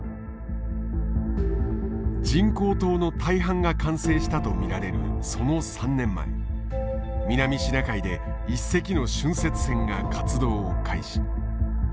人工島の大半が完成したと見られるその３年前南シナ海で一隻の浚渫船が活動を開始。